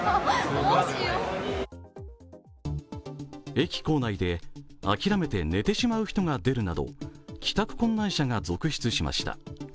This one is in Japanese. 駅構内で、諦めて寝てしまう人が出るなど帰宅困難者が続出しました。